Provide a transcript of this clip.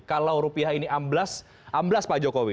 kalau rupiah ini amblas amblas pak jokowi